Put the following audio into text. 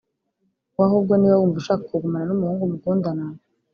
wowe ahubwo niba wumva ushaka kugumana n’umuhungu mukundana